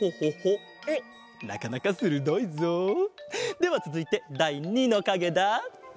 なかなかするどいぞ！ではつづいてだい２のかげだ。